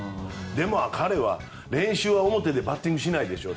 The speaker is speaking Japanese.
でも彼は練習は表でバッティングしないでしょ。